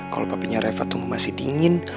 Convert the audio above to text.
kalau papinya reva tunggu masih dingin